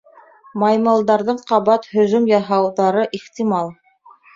Маймылдарҙың ҡабат һөжүм яһауҙары ихтимал.